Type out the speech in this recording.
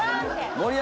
盛山！